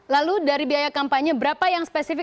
lalu dari biaya kampanye berapa yang spesifik